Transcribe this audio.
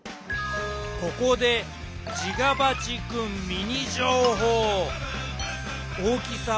ここでジガバチくんミニ情報！